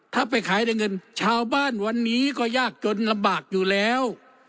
ถ้าไปขายได้เงินชาวบ้านวันนี้ก็ยากจนลำบากอยู่แล้ว